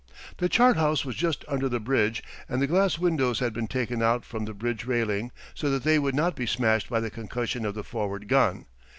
The chart house was just under the bridge, and the glass windows had been taken out from the bridge railing so that they would not be smashed by the concussion of the forward gun.